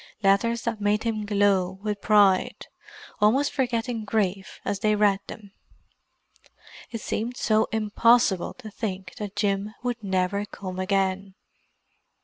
Letters that made him glow with pride—almost forgetting grief as they read them. It seemed so impossible to think that Jim would never come again.